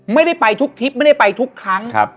ไม่ได้ไปทุกทิศไม่ได้ไปทุกครั้ง